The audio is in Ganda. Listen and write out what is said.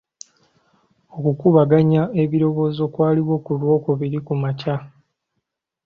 Okukubaganya ebirowoozo kwaliwo ku lwokubiri kumakya.